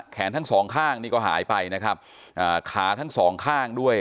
ทั้งสองข้างนี่ก็หายไปนะครับอ่าขาทั้งสองข้างด้วย